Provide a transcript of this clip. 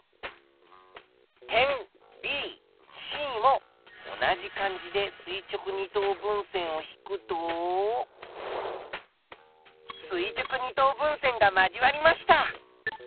点ＢＣも同じ感じで垂直二等分線を引くと垂直二等分線が交わりました。